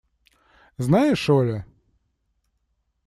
Знаешь, Оля!